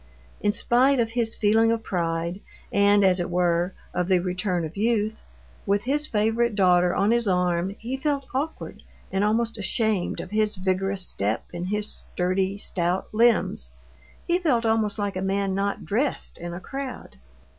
In spite of his feeling of pride and, as it were, of the return of youth, with his favorite daughter on his arm, he felt awkward, and almost ashamed of his vigorous step and his sturdy, stout limbs. He felt almost like a man not dressed in a crowd.